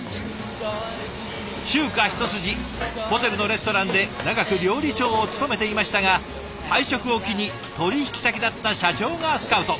中華一筋ホテルのレストランで長く料理長を務めていましたが退職を機に取引先だった社長がスカウト。